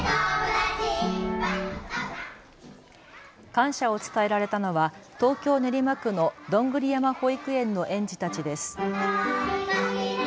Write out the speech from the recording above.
感謝を伝えられたのは東京練馬区のどんぐり山保育園の園児たちです。